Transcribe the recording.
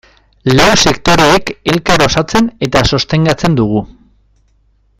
Lau sektoreek elkar osatzen eta sostengatzen dugu.